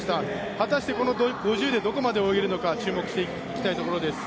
果たして、この５０でどこまで泳げるのか注目していきたいです。